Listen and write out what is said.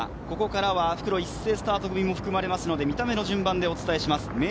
ここからは復路一斉スタート組も含まれますので、見た目の順番でお伝えします。